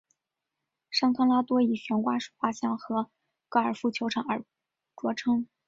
圣康拉多以悬挂式滑翔和高尔夫球场而着称。